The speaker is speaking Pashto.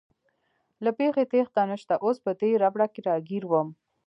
له پېښې تېښته نشته، اوس په دې ربړه کې راګیر ووم.